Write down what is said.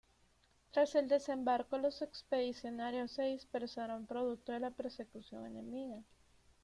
Tras el desembarco, los expedicionarios se dispersaron producto de la persecución enemiga.